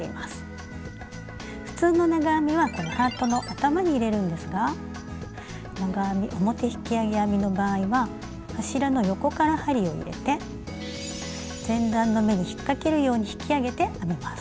普通の長編みはこのハートの頭に入れるんですが長編み表引き上げ編みの場合は柱の横から針を入れて前段の目に引っかけるように引き上げて編みます。